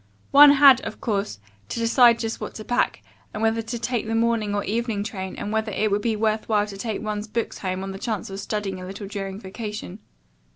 One had, of course, to decide just what to pack, whether to take the morning or evening train and whether it would be worth while to take one's books home on the chance of studying a little during vacation.